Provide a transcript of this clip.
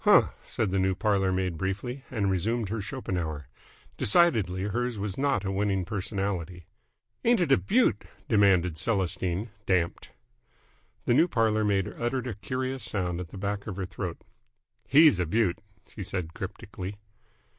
"Huh!" said the new parlour maid briefly, and resumed her Schopenhauer. Decidedly hers was not a winning personality. "Ain't it a beaut?" demanded Celestine, damped. The new parlour maid uttered a curious sound at the back of her throat. "He's a beaut!" she said cryptically.